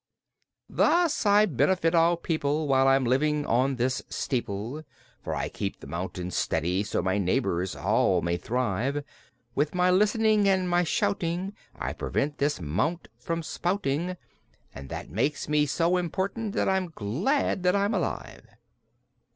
"Thus I benefit all people While I'm living on this steeple, For I keep the mountain steady so my neighbors all may thrive. With my list'ning and my shouting I prevent this mount from spouting, And that makes me so important that I'm glad that I'm alive."